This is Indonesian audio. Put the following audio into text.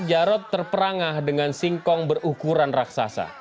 jarod terperangah dengan singkong berukuran raksasa